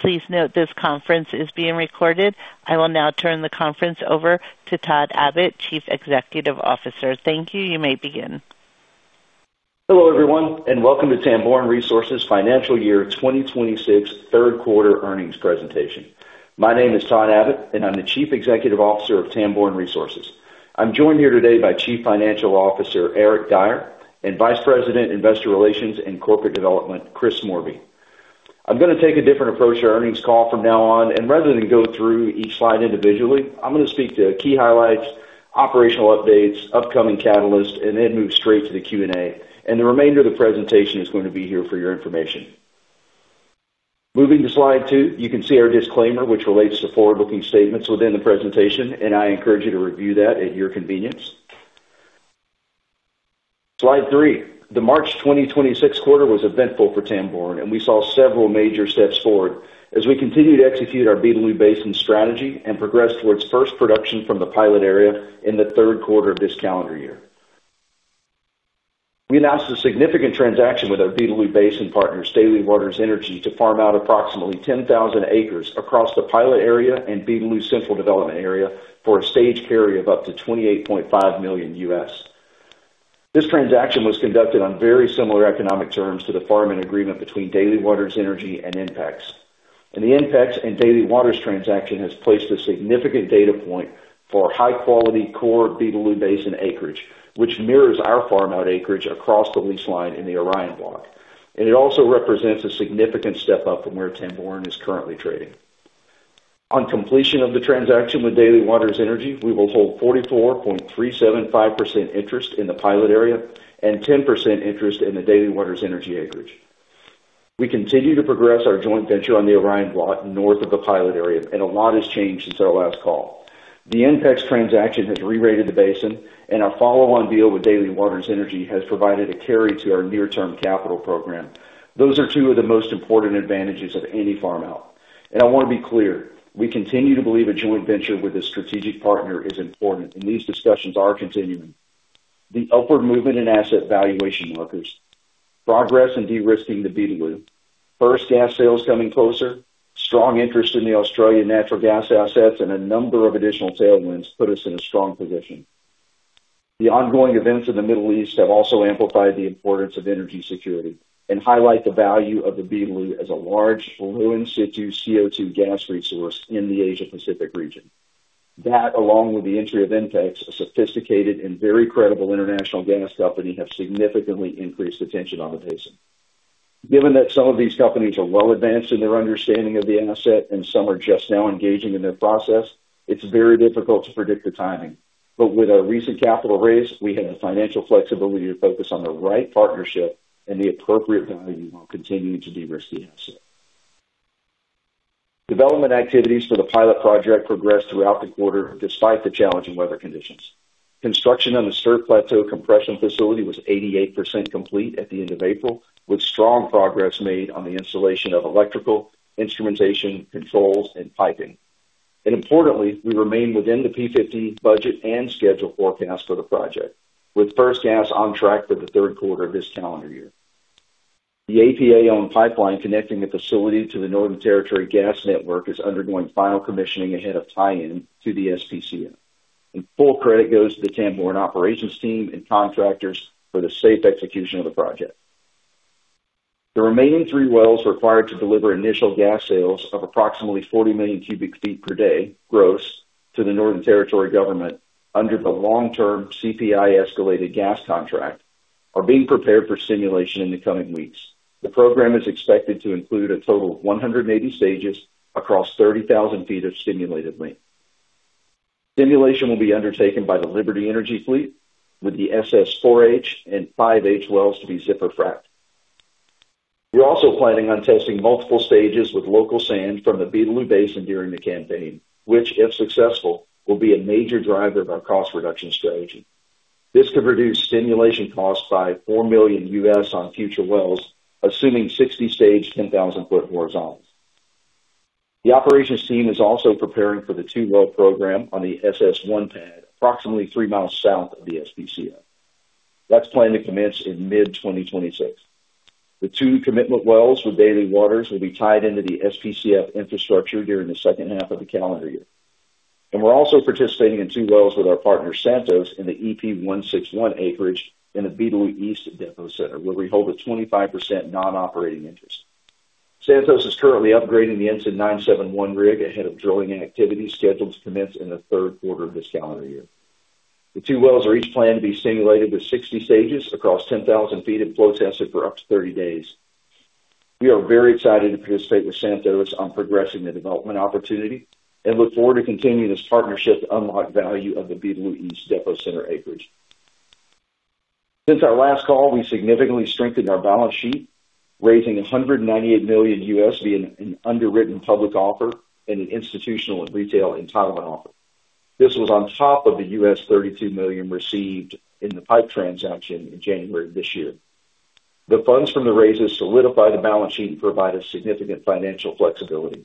Please note this conference is being recorded. I will now turn the conference over to Todd Abbott, Chief Executive Officer. Thank you. You may begin. Hello, everyone, welcome to Tamboran Resources Financial Year 2026 third quarter earnings presentation. My name is Todd Abbott, I'm the Chief Executive Officer of Tamboran Resources. I'm joined here today by Chief Financial Officer Eric Dyer and Vice President, Investor Relations and Corporate Development, Chris Morbey. I'm going to take a different approach to our earnings call from now on, rather than go through each slide individually, I'm going to speak to key highlights, operational updates, upcoming catalyst, then move straight to the Q&A. The remainder of the presentation is going to be here for your information. Moving to slide two, you can see our disclaimer which relates to forward-looking statements within the presentation, I encourage you to review that at your convenience. Slide three. The March 2026 quarter was eventful for Tamboran, we saw several major steps forward as we continue to execute our Beetaloo Basin strategy and progress towards first production from the pilot area in the third quarter of this calendar year. We announced a significant transaction with our Beetaloo Basin partner, Daly Waters Energy, to farm out approximately 10,000 acres across the pilot area and Beetaloo Central Development Area for a staged carry of up to $28.5 million. This transaction was conducted on very similar economic terms to the farming agreement between Daly Waters Energy and INPEX. The INPEX and Daly Waters transaction has placed a significant data point for high-quality core Beetaloo Basin acreage, which mirrors our farm-out acreage across the lease line in the Orion Block. It also represents a significant step up from where Tamboran is currently trading. On completion of the transaction with Daly Waters Energy, we will hold 44.375% interest in the pilot area and 10% interest in the Daly Waters Energy acreage. We continue to progress our joint venture on the Orion Block north of the pilot area. A lot has changed since our last call. The INPEX transaction has rerated the basin. Our follow-on deal with Daly Waters Energy has provided a carry to our near-term capital program. Those are two of the most important advantages of any farm-out. I want to be clear, we continue to believe a joint venture with a strategic partner is important. These discussions are continuing. The upward movement in asset valuation markers, progress in de-risking the Beetaloo, first gas sales coming closer, strong interest in the Australian natural gas assets, and a number of additional tailwinds put us in a strong position. The ongoing events in the Middle East have also amplified the importance of energy security and highlight the value of the Beetaloo as a large in situ CO2 gas resource in the Asia Pacific region. That, along with the entry of INPEX, a sophisticated and very credible international gas company, have significantly increased attention on the basin. Given that some of these companies are well advanced in their understanding of the asset and some are just now engaging in their process, it's very difficult to predict the timing. With our recent capital raise, we have the financial flexibility to focus on the right partnership and the appropriate value while continuing to de-risk the asset. Development activities for the pilot project progressed throughout the quarter despite the challenging weather conditions. Construction on the Sturt Plateau Compression Facility was 88% complete at the end of April, with strong progress made on the installation of electrical, instrumentation, controls, and piping. Importantly, we remain within the P50 budget and schedule forecast for the project, with first gas on track for the third quarter of this calendar year. The APA-owned pipeline connecting the facility to the Northern Territory gas network is undergoing final commissioning ahead of tie-in to the SPCF. Full credit goes to the Tamboran operations team and contractors for the safe execution of the project. The remaining three wells required to deliver initial gas sales of approximately 40 million cubic feet per day gross to the Northern Territory government under the long-term CPI escalated gas contract are being prepared for stimulation in the coming weeks. The program is expected to include a total of 180 stages across 30,000 feet of stimulated length. Stimulation will be undertaken by the Liberty Energy fleet, with the SS-4H and SS-5H wells to be zipper fracked. We're also planning on testing multiple stages with local sand from the Beetaloo Basin during the campaign, which, if successful, will be a major driver of our cost reduction strategy. This could reduce stimulation costs by $4 million on future wells, assuming 60-stage, 10,000-ft horizontals. The operations team is also preparing for the two-well program on the SS-1 pad, approximately 3 mi south of the SPCF. That's planned to commence in mid 2026. The two commitment wells with Daly Waters will be tied into the SPCF infrastructure during the second half of the calendar year. We're also participating in two wells with our partner, Santos, in the EP 161 acreage in the Beetaloo Eastern Depot Center, where we hold a 25% non-operating interest. Santos is currently upgrading the Ensign 971 rig ahead of drilling activities scheduled to commence in the third quarter of this calendar year. The two wells are each planned to be stimulated with 60 stages across 10,000 ft of flow tested for up to 30 days. We are very excited to participate with Santos on progressing the development opportunity and look forward to continuing this partnership to unlock value of the Beetaloo Eastern Depot Center acreage. Since our last call, we significantly strengthened our balance sheet, raising $198 million via an underwritten public offer and an institutional and retail entitlement offer. This was on top of the $32 million received in the PIPE transaction in January of this year. The funds from the raises solidify the balance sheet and provide a significant financial flexibility.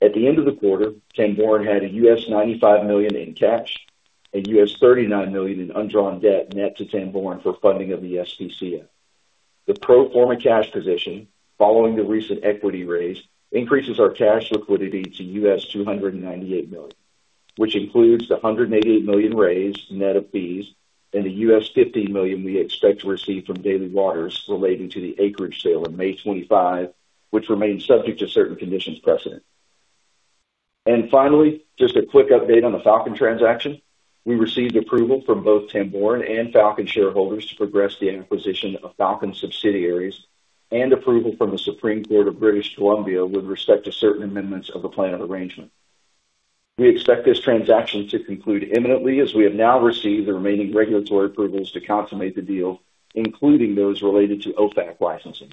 At the end of the quarter Tamboran had $95 million in cash and $39 million in undrawn debt net to Tamboran for funding of the SPCF. The pro forma cash position following the recent equity raise increases our cash liquidity to $298 million, which includes the $188 million raised net of fees and the $15 million we expect to receive from Daly Waters relating to the acreage sale on May 25, which remains subject to certain conditions precedent. Finally, just a quick update on the Falcon transaction. We received approval from both Tamboran and Falcon shareholders to progress the acquisition of Falcon subsidiaries and approval from the Supreme Court of British Columbia with respect to certain amendments of the Plan of Arrangement. We expect this transaction to conclude imminently as we have now received the remaining regulatory approvals to consummate the deal, including those related to OFAC licensing.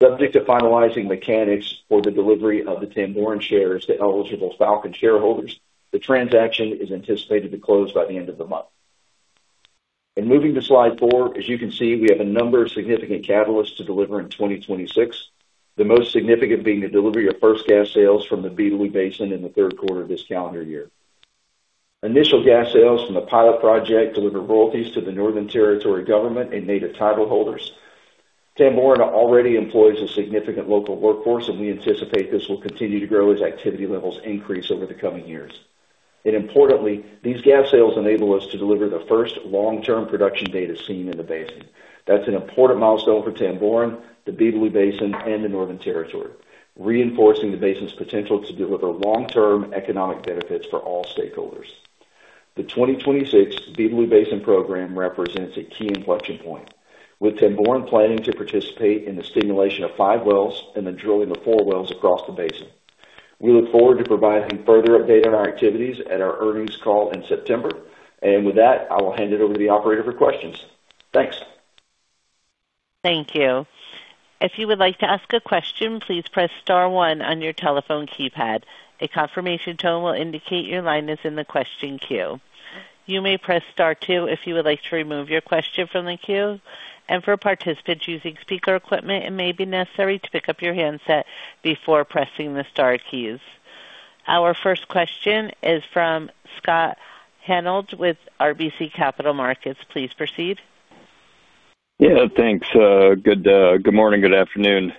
Subject to finalizing mechanics for the delivery of the Tamboran shares to eligible Falcon shareholders, the transaction is anticipated to close by the end of the month. Moving to slide four, as you can see, we have a number of significant catalysts to deliver in 2026. The most significant being the delivery of first gas sales from the Beetaloo Basin in the third quarter of this calendar year. Initial gas sales from the pilot project deliver royalties to the Northern Territory government and native title holders. Tamboran already employs a significant local workforce, we anticipate this will continue to grow as activity levels increase over the coming years. Importantly, these gas sales enable us to deliver the first long-term production data seen in the basin. That's an important milestone for Tamboran, the Beetaloo Basin, and the Northern Territory, reinforcing the basin's potential to deliver long-term economic benefits for all stakeholders. The 2026 Beetaloo Basin program represents a key inflection point, with Tamboran planning to participate in the stimulation of five wells and the drilling of four wells across the basin. We look forward to providing further update on our activities at our earnings call in September. With that, I will hand it over to the operator for questions. Thanks. Our first question is from Scott Hanold with RBC Capital Markets. Please proceed. Yeah, thanks. Good morning, good afternoon.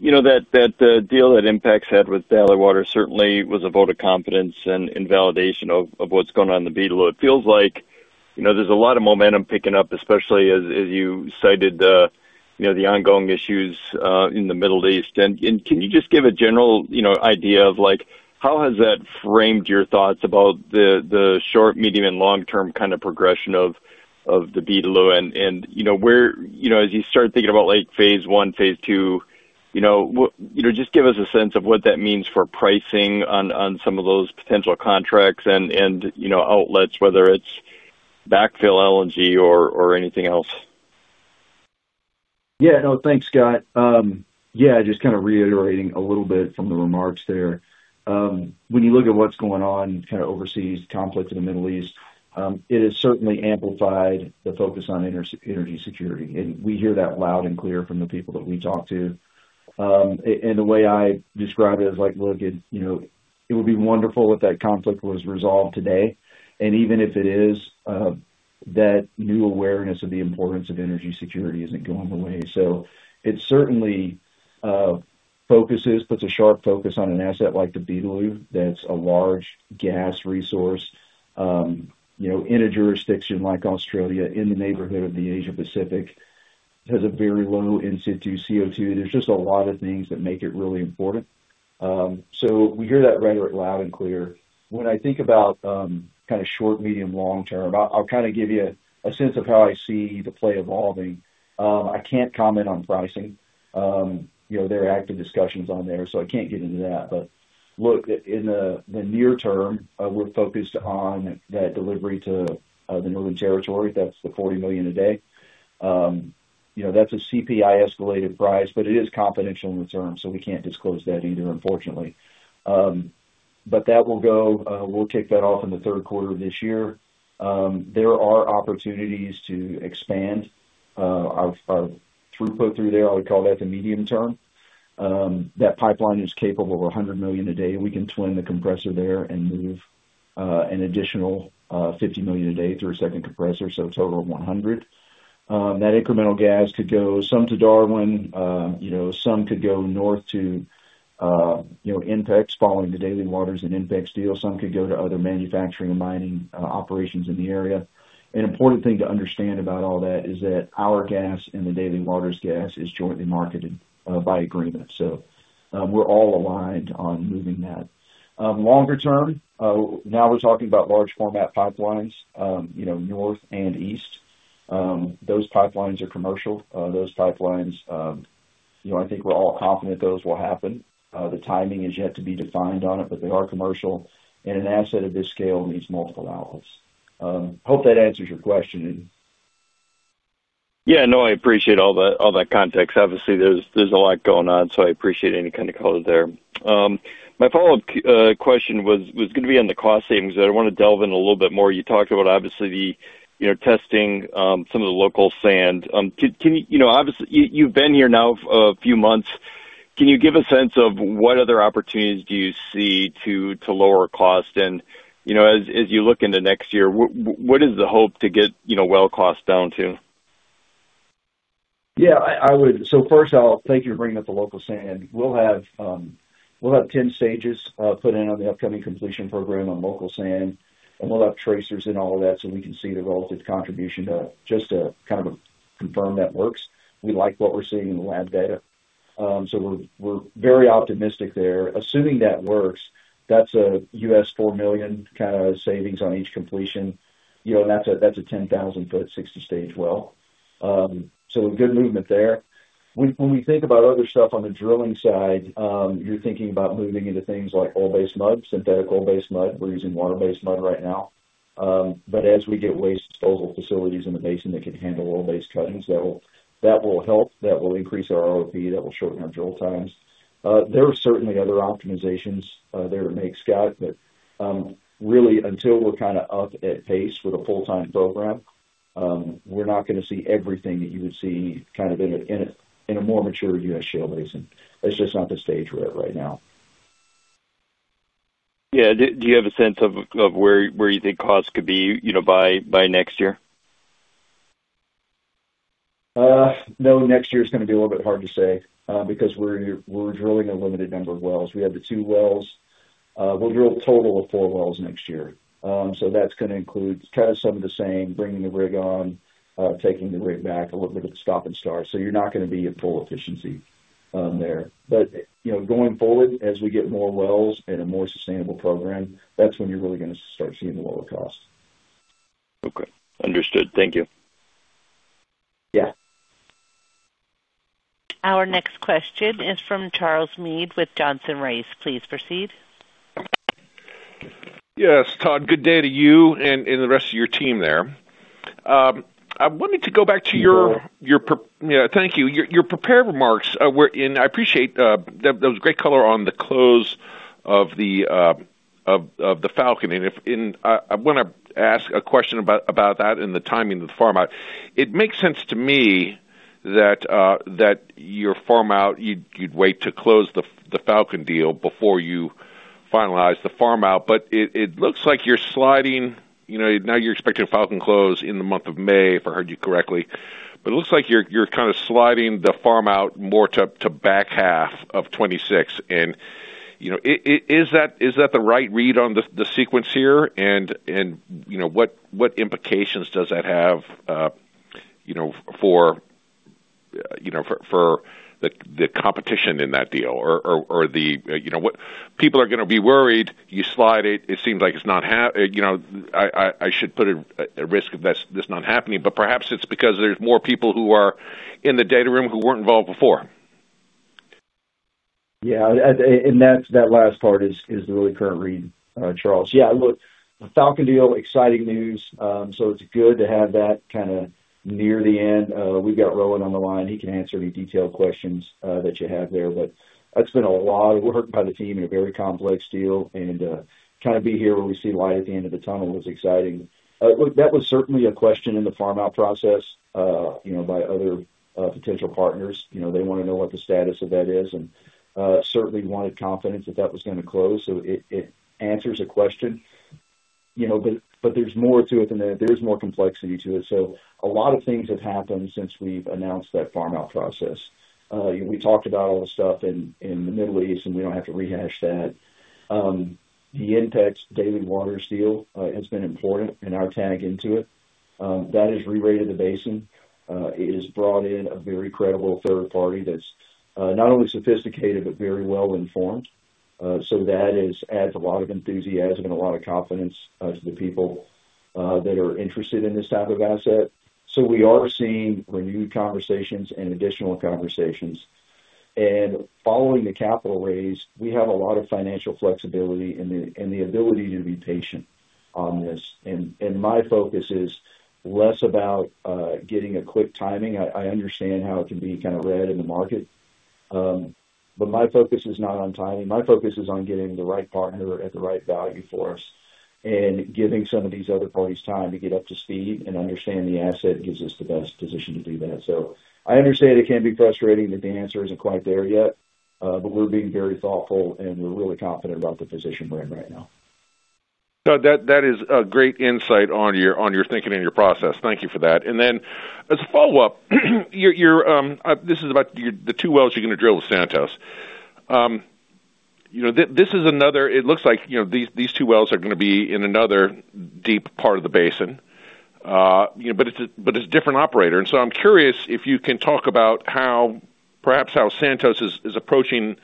You know, that deal that INPEX had with Daly Waters certainly was a vote of confidence and validation of what's going on in the Beetaloo. It feels like, you know, there's a lot of momentum picking up, especially as you cited, you know, the ongoing issues in the Middle East. Can you just give a general, you know, idea of like, how has that framed your thoughts about the short, medium, and long-term kind of progression of the Beetaloo? You know, as you start thinking about like Phase 1, Phase 2, you know, just give us a sense of what that means for pricing on some of those potential contracts and, you know, outlets, whether it's backfill LNG or anything else? Yeah, no, thanks, Scott. Just kind of reiterating a little bit from the remarks there. When you look at what's going on kind of overseas, conflicts in the Middle East, it has certainly amplified the focus on energy security. We hear that loud and clear from the people that we talk to. The way I describe it is like, look, it, you know, it would be wonderful if that conflict was resolved today. Even if it is, that new awareness of the importance of energy security isn't going away. It certainly focuses, puts a sharp focus on an asset like the Beetaloo that's a large gas resource, you know, in a jurisdiction like Australia, in the neighborhood of the Asia-Pacific, has a very low in situ CO2. There's just a lot of things that make it really important. We hear that rhetoric loud and clear. When I think about kind of short, medium, long term, I'll kind of give you a sense of how I see the play evolving. I can't comment on pricing. You know, there are active discussions on there, I can't get into that. Look, in the near term, we're focused on that delivery to the Northern Territory. That's the $40 million a day. You know, that's a CPI escalated price, but it is confidential in terms, we can't disclose that either, unfortunately. That will go, we'll kick that off in the third quarter of this year. There are opportunities to expand our throughput through there. I would call that the medium term. That pipeline is capable of $100 million a day. We can twin the compressor there and move an additional $50 million a day through a second compressor, so a total of $100 million. That incremental gas could go some to Darwin, you know, some could go north to, you know, INPEX following the INPEX Daly Waters deal. Some could go to other manufacturing and mining operations in the area. An important thing to understand about all that is that our gas and the Daly Waters gas is jointly marketed by agreement. We're all aligned on moving that. Longer term, now we're talking about large format pipelines, you know, north and east. Those pipelines are commercial. Those pipelines, you know, I think we're all confident those will happen. The timing is yet to be defined on it, they are commercial. An asset of this scale needs multiple outlets. Hope that answers your question. Yeah, no, I appreciate all that, all that context. Obviously, there's a lot going on, so I appreciate any kind of color there. My follow-up question was going to be on the cost savings that I want to delve in a little bit more. You talked about obviously the, you know, testing, some of the local sand. Can you know, obviously you've been here now a few months. Can you give a sense of what other opportunities do you see to lower cost? You know, as you look into next year, what is the hope to get, you know, well costs down to? I would. So first, I'll thank you for bringing up the local sand. We'll have 10 stages put in on the upcoming completion program on local sand, and we'll have tracers in all of that, so we can see the relative contribution to just to kind of confirm that works. We like what we're seeing in the lab data. We're very optimistic there. Assuming that works, that's a $4 million kind of savings on each completion. You know, that's a 10,000 ft 60 stage well. A good movement there. When we think about other stuff on the drilling side, you're thinking about moving into things like oil-based mud, synthetic oil-based mud. We're using water-based mud right now. As we get waste disposal facilities in the basin that can handle oil-based cuttings, that will help. That will increase our ROP. That will shorten our drill times. There are certainly other optimizations there at [Make Scout], really until we're kind of up at pace with a full-time program, we're not going to see everything that you would see kind of in a more mature U.S. shale basin. That's just not the stage we're at right now. Yeah. Do you have a sense of where you think costs could be, you know, by next year? No, next year is going to be a little bit hard to say, because we're drilling a limited number of wells. We have the 2 wells. We'll drill a total of 4 wells next year. So that's going to include kind of some of the same, bringing the rig on, taking the rig back, a little bit of the stop and start. So you're not going to be at full efficiency, there. You know, going forward, as we get more wells and a more sustainable program, that's when you're really going to start seeing the lower costs. Okay. Understood. Thank you. Yeah. Our next question is from Charles Meade with Johnson Rice. Please proceed. Yes. Todd, good day to you and the rest of your team there. You go. Thank you. Your prepared remarks. I appreciate that was great color on the close of the Falcon. I want to ask a question about that and the timing of the farm out. It makes sense to me that your farm out, you'd wait to close the Falcon deal before you finalize the farm out. It looks like you're sliding, you know, now you're expecting a Falcon close in the month of May, if I heard you correctly. It looks like you're kind of sliding the farm out more to back half of 2026. You know, is that the right read on the sequence here? You know, what implications does that have, you know, for, you know, for the competition in that deal? The You know what? People are going to be worried you slide it. It seems like it's not You know, I should put a risk of this not happening, but perhaps it's because there's more people who are in the data room who weren't involved before. Yeah. That last part is the really current read, Charles. Yeah, look, the Falcon deal, exciting news. It's good to have that kind of near the end. We've got Rowan on the line. He can answer any detailed questions that you have there. It's been a lot of work by the team in a very complex deal and to kind of be here where we see light at the end of the tunnel is exciting. Look, that was certainly a question in the farm-out process, you know, by other potential partners. You know, they want to know what the status of that is and certainly wanted confidence that that was going to close. It answers a question. You know, there's more to it than that. There is more complexity to it. A lot of things have happened since we've announced that farm out process. We talked about all the stuff in the Middle East, and we don't have to rehash that. The INPEX Daly Waters deal has been important and our tag into it. That has rerated the basin. It has brought in a very credible third party that's not only sophisticated, but very well informed. That is adds a lot of enthusiasm and a lot of confidence to the people that are interested in this type of asset. We are seeing renewed conversations and additional conversations. Following the capital raise, we have a lot of financial flexibility and the ability to be patient on this. My focus is less about getting a quick timing. I understand how it can be kind of read in the market. My focus is not on timing. My focus is on getting the right partner at the right value for us and giving some of these other parties time to get up to speed and understand the asset gives us the best position to do that. I understand it can be frustrating that the answer isn't quite there yet, but we're being very thoughtful, and we're really confident about the position we're in right now. No, that is a great insight on your thinking and your process. Thank you for that. As a follow-up, this is about the two wells you're going to drill with Santos. You know, this is another It looks like, you know, these two wells are going to be in another deep part of the basin. You know, it's a different operator. I'm curious if you can talk about how, perhaps how Santos is approaching,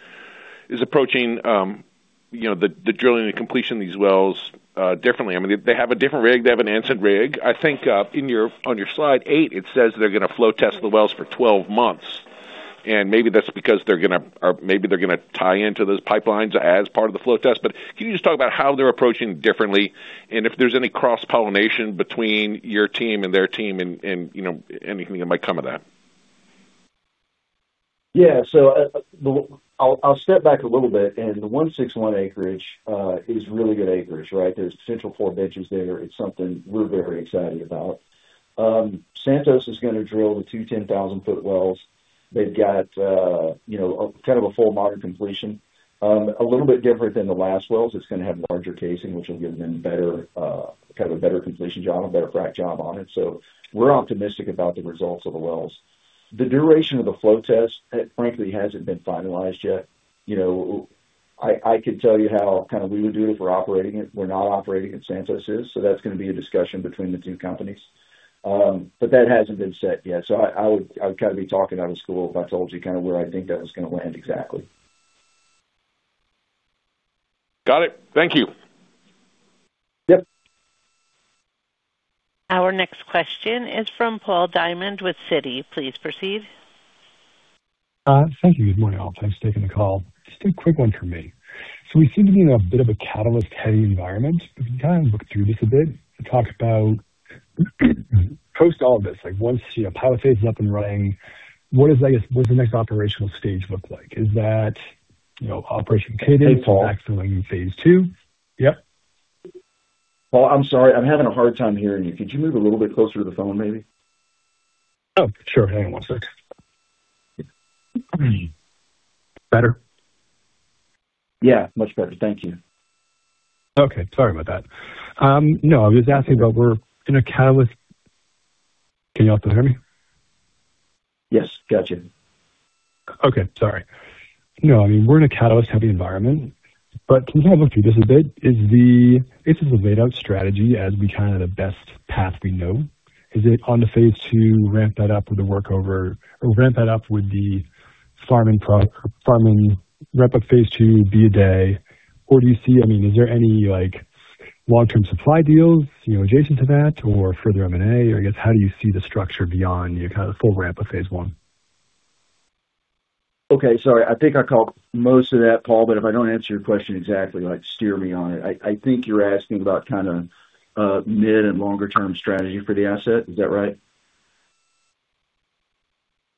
you know, the drilling and completion of these wells differently. I mean, they have a different rig. They have an Ensign rig. I think, in your slide eight, it says they're going to flow test the wells for 12 months. Maybe that's because they're going to tie into those pipelines as part of the flow test. Can you just talk about how they're approaching differently, and if there's any cross-pollination between your team and their team and, you know, anything that might come of that? Yeah. I'll step back a little bit. The 161 acreage is really good acreage, right? There's central core benches there. It's something we're very excited about. Santos is going to drill the 2 10,000 ft wells. They've got, you know, kind of a full modern completion. A little bit different than the last wells. It's going to have larger casing, which will give them better, kind of a better completion job, a better frack job on it. We're optimistic about the results of the wells. The duration of the flow test, it frankly hasn't been finalized yet. You know, I could tell you how kind of we would do it if we're operating it. We're not operating it, Santos is. That's going to be a discussion between the two companies. That hasn't been set yet. I would kind of be talking out of school if I told you kind of where I think that was going to land exactly. Got it. Thank you. Yep. Our next question is from Paul Diamond with Citi. Please proceed. Thank you. Good morning all. Thanks for taking the call. Just a quick one from me. We seem to be in a bit of a catalyst heavy environment. If you can look through this a bit to talk about post all of this, like once, you know, pilot is up and running, what is, I guess, what does the next operational stage look like? Is that, you know, operation cadence? Hey, Paul. -maxing Phase 2? Yep. Paul, I'm sorry. I'm having a hard time hearing you. Could you move a little bit closer to the phone maybe? Sure. Hang on one sec. Better? Yeah, much better. Thank you. Okay. Sorry about that. I was asking about we're in a catalyst. Can you all still hear me? Yes. Gotcha. Sorry. No, I mean, we're in a catalyst heavy environment, can you kind of look through this a bit? Is the is this a laid out strategy as we kind of the best path we know? Is it on the Phase 2 ramp that up with a workover or ramp that up with the farming ramp up Phase 2 BCDA? Do you see, I mean, is there any, like, long-term supply deals, you know, adjacent to that or further M&A? I guess, how do you see the structure beyond your kind of full ramp of Phase 1? Okay. Sorry. I think I caught most of that, Paul, but if I don't answer your question exactly, like steer me on it. I think you're asking about kind of, mid and longer term strategy for the asset. Is that right?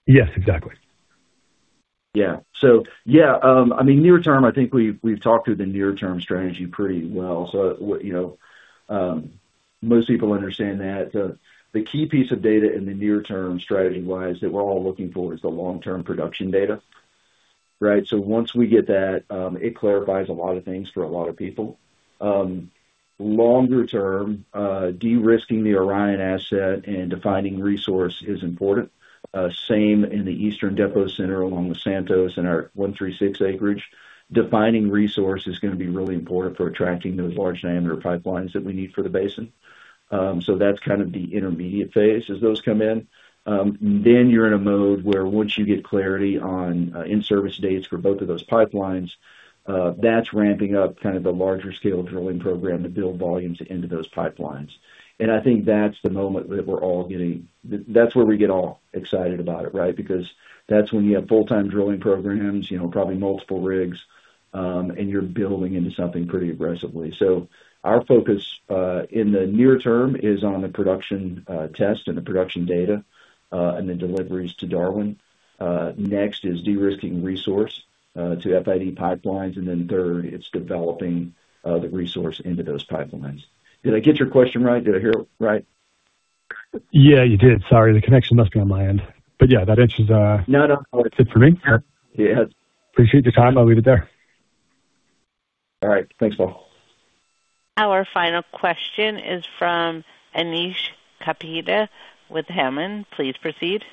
Yes, exactly. Yeah. I mean, near term, I think we've talked through the near term strategy pretty well. You know, most people understand that. The key piece of data in the near term, strategy-wise, that we're all looking for is the long-term production data. Right. Once we get that, it clarifies a lot of things for a lot of people. Longer term, de-risking the Orion asset and defining resource is important. Same in the Eastern Depot Center along with Santos and our 136 acreage. Defining resource is going to be really important for attracting those large diameter pipelines that we need for the basin. That's kind of the intermediate phase as those come in. You're in a mode where once you get clarity on in-service dates for both of those pipelines, that's ramping up kind of the larger scale drilling program to build volumes into those pipelines. I think that's the moment that we're all getting that's where we get all excited about it, right? That's when you have full-time drilling programs, you know, probably multiple rigs, and you're building into something pretty aggressively. Our focus in the near term is on the production test and the production data and the deliveries to Darwin. Next is de-risking resource to FID pipelines, and then third, it's developing the resource into those pipelines. Did I get your question right? Did I hear it right? Yeah, you did. Sorry. The connection must be on my end. Yeah, that answers. No, no. All it did for me. Yeah. Appreciate your time. I will leave it there. All right. Thanks, Paul. Our final question is from Anish Kapadia with Hannam. Please proceed.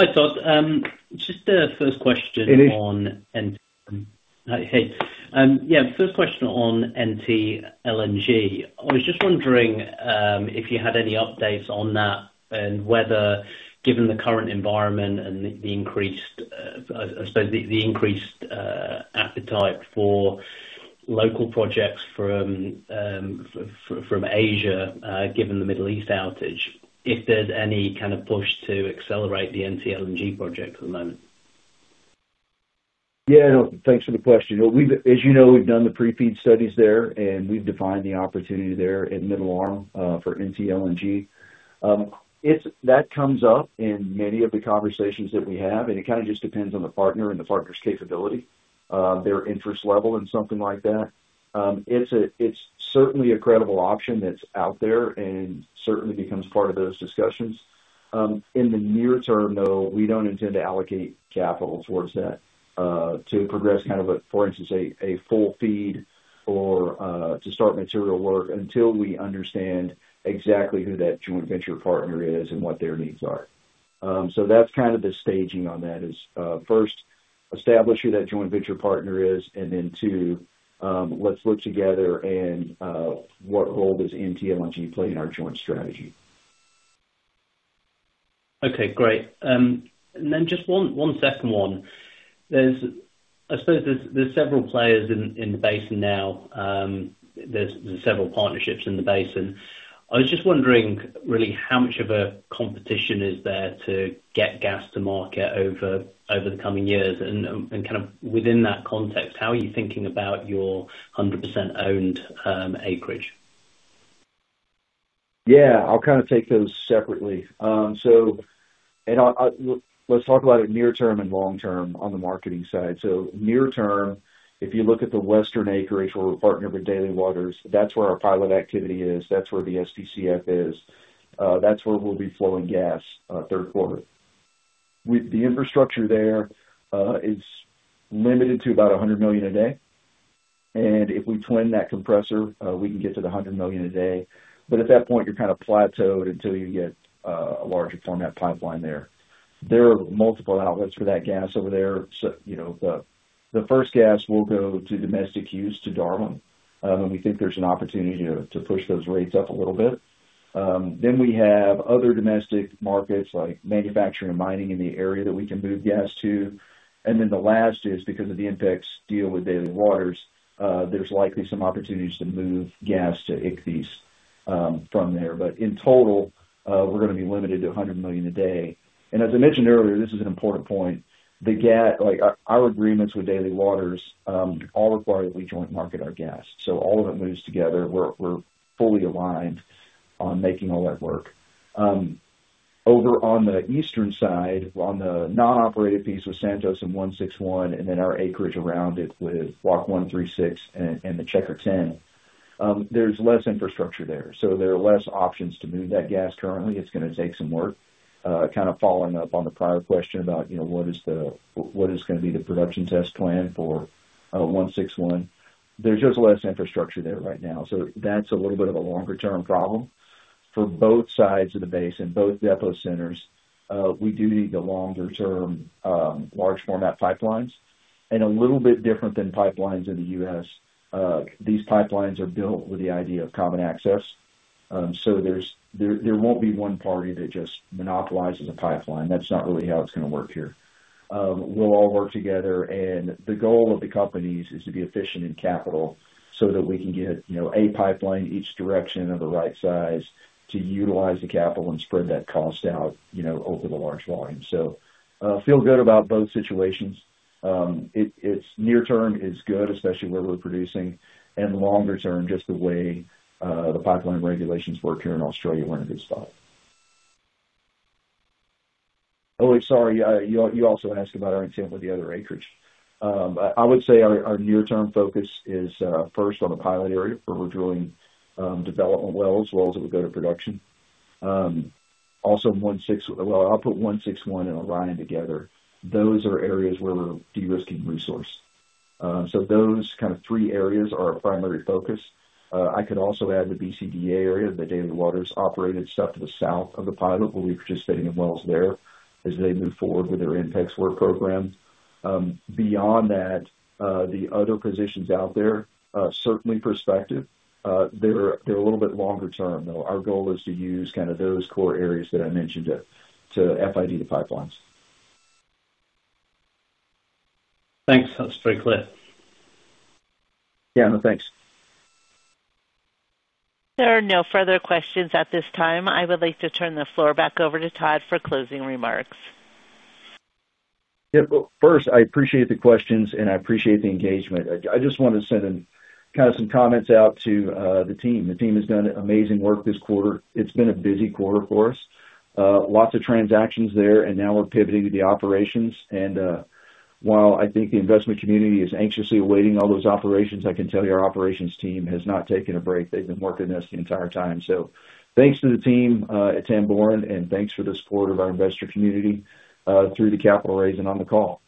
Hi, Todd. Just a first question. It is. Hey. Yeah, first question on NTLNG. I was just wondering, if you had any updates on that and whether, given the current environment and the increased, I suppose, the increased, appetite for local projects from Asia, given the Middle East outage, if there's any kind of push to accelerate the NTLNG project at the moment? Thanks for the question. As you know, we've done the pre-FEED studies there, and we've defined the opportunity there at Middle Arm for NTLNG. That comes up in many of the conversations that we have, and it kind of just depends on the partner and the partner's capability, their interest level in something like that. It's certainly a credible option that's out there and certainly becomes part of those discussions. In the near term, though, we don't intend to allocate capital towards that to progress kind of a, for instance, a full FEED or to start material work until we understand exactly who that joint venture partner is and what their needs are. That's kind of the staging on that is, first establish who that joint venture partner is and then two, let's look together and, what role does NTLNG play in our joint strategy. Okay, great. And then just one second one. I suppose there's several players in the basin now. There's several partnerships in the basin. I was just wondering really how much of a competition is there to get gas to market over the coming years? Kind of within that context, how are you thinking about your 100% owned acreage? Yeah. I'll kind of take those separately. Let's talk about it near term and long term on the marketing side. Near term, if you look at the Western acreage where we're partnered with Daly Waters, that's where our pilot activity is, that's where the SPCF is, that's where we'll be flowing gas third quarter. With the infrastructure there, it's limited to about $100 million a day. If we twin that compressor, we can get to the $100 million a day. At that point, you're kind of plateaued until you get a larger format pipeline there. There are multiple outlets for that gas over there. You know, the first gas will go to domestic use to Darwin. We think there's an opportunity to push those rates up a little bit. We have other domestic markets like manufacturing and mining in the area that we can move gas to. The last is because of the INPEX deal with Daly Waters, there's likely some opportunities to move gas to Ichthys from there. In total, we're going to be limited to $100 million a day. As I mentioned earlier, this is an important point. Our agreements with Daly Waters all require that we joint market our gas. All of it moves together. We're fully aligned on making all that work. Over on the eastern side, on the non-operated piece with Santos and 161, our acreage around it with block 136 and the [Checker 10], there's less infrastructure there. There are less options to move that gas currently. It's going to take some work. kind of following up on the prior question about, you know, what is going to be the production test plan for 161. There's just less infrastructure there right now. That's a little bit of a longer term problem. For both sides of the base and both depot centers, we do need the longer term, large format pipelines. A little bit different than pipelines in the U.S., these pipelines are built with the idea of common access. There won't be one party that just monopolizes a pipeline. That's not really how it's going to work here. We'll all work together. The goal of the companies is to be efficient in capital so that we can get, you know, a pipeline each direction of the right size to utilize the capital and spread that cost out, you know, over the large volume. Feel good about both situations. It's near term is good, especially where we're producing, and longer term, just the way the pipeline regulations work here in Australia, we're in a good spot. Sorry. You also asked about our intent with the other acreage. I would say our near term focus is first on the pilot area where we're drilling development wells that would go to production. Also, I'll put 161 and Orion together. Those are areas where we're de-risking resource. Those kind of three areas are our primary focus. I could also add the BCDA area, the Daly Waters operated stuff to the south of the pilot. We'll be participating in wells there as they move forward with their INPEX work program. Beyond that, the other positions out there are certainly prospective. They're a little bit longer term, though. Our goal is to use kind of those core areas that I mentioned to FID the pipelines. Thanks. That's very clear. Yeah. No, thanks. There are no further questions at this time. I would like to turn the floor back over to Todd for closing remarks. Well, first, I appreciate the questions, and I appreciate the engagement. I just want to send in kind of some comments out to the team. The team has done amazing work this quarter. It's been a busy quarter for us. Lots of transactions there. Now we're pivoting to the operations. While I think the investment community is anxiously awaiting all those operations, I can tell you our operations team has not taken a break. They've been working this the entire time. Thanks to the team at Tamboran, and thanks for the support of our investor community through the capital raise and on the call.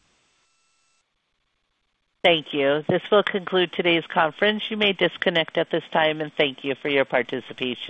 Thank you. This will conclude today's conference. You may disconnect at this time, and thank you for your participation.